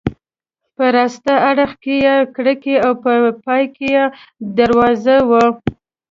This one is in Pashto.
په راسته اړخ کې یې کړکۍ او په پای کې یې دروازه وه.